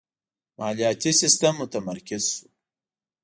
مالیاتی سیستم متمرکز شو.